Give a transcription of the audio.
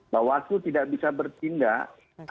bawaslu tidak bisa bertindak